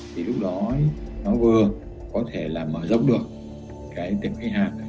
thì lúc đó nó vừa có thể là mở rộng được cái tiếng khách hàng